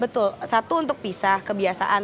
betul satu untuk pisah kebiasaan